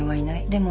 でも。